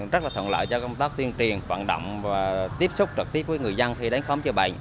rất là thuận lợi cho công tác tuyên truyền hoạt động và tiếp xúc trực tiếp với người dân khi đánh khóm chữa bệnh